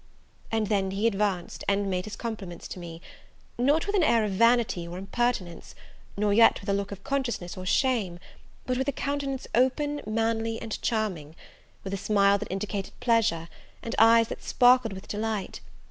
and then he advanced, and made his compliments to me, not with an air of vanity or impertinence, nor yet with a look of consciousness or shame; but with a countenance open, manly, and charming! with a smile that indicated pleasure, and eyes that sparkled with delight!